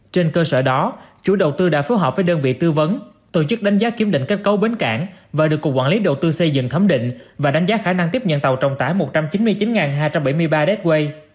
trên cơ sở đó chủ đầu tư đã phối hợp với đơn vị tư vấn tổ chức đánh giá kiểm định kết cấu bến cảng và được cục quản lý đầu tư xây dựng thấm định và đánh giá khả năng tiếp nhận tàu trọng tải một trăm chín mươi chín hai trăm bảy mươi ba d quay